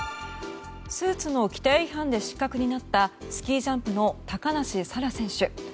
スーツの規定違反で失格になったスキージャンプの高梨沙羅選手。